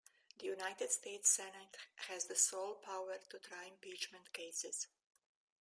The United States Senate has the sole power to try impeachment cases.